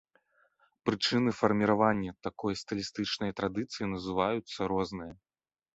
Прычыны фарміравання такой стылістычнай традыцыі называюцца розныя.